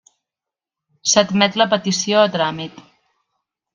S'admet la petició a tràmit.